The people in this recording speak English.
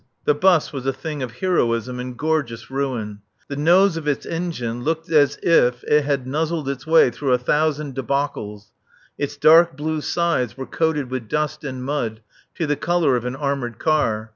The bus was a thing of heroism and gorgeous ruin. The nose of its engine looked as if it had nuzzled its way through a thousand débâcles; its dark blue sides were coated with dust and mud to the colour of an armoured car.